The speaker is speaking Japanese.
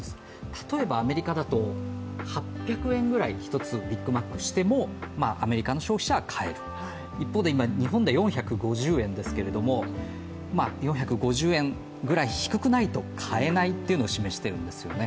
例えば、アメリカだと１つ８００円ぐらいしてもアメリカの消費者は買える、一方で日本で今、４５０円ですけれども、４５０円ぐらい低くないと買えないっていうのを示しているんですよね。